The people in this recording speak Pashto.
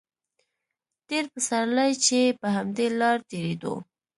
تېر پسرلی چې په همدې لاره تېرېدو.